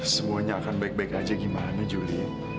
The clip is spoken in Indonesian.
semuanya akan baik baik aja gimana juli